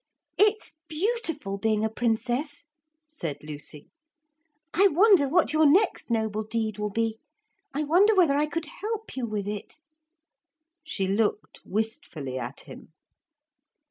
'It's beautiful being a Princess,' said Lucy. 'I wonder what your next noble deed will be. I wonder whether I could help you with it?' She looked wistfully at him.